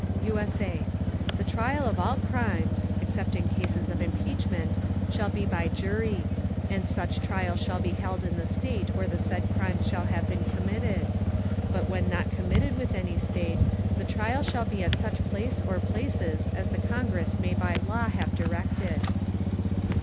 [USA] The Trial of all Crimes, except in Cases of Impeachment, shall be by Jury; and such Trial shall be held in the State where the said Crimes shall have been committed; but when not committed with any State, the Trial shall be at such Place or Places as the Congress may by Law have directed.